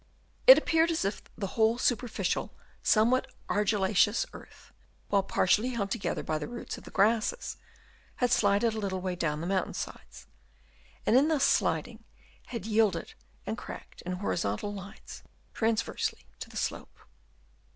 It appeared as if the whole superficial, somewhat argil laceous earth, while partially held together by the roots of the grasses, had slided a little way down the mountain sides ; and in thus sliding, had yielded and cracked in horizontal lines, transversely to the slope.